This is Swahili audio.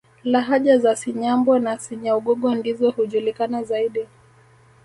Lahaja za Cinyambwa na Cinyaugogo ndizo hujulikana zaidi